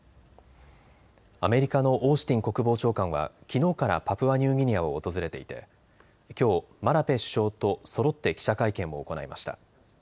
アメリカのオースティン国防長官はきのうからパプアニューギニアを訪れていてきょうマラペ首相とそろって記者会見を行いました。